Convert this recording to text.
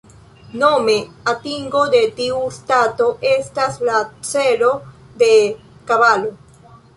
Nome atingo de tiu stato estas la celo de Kabalo.